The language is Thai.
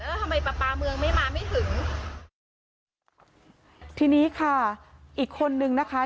แล้วทำไมปลาปลาเมืองไม่มาไม่ถึงทีนี้ค่ะอีกคนนึงนะคะ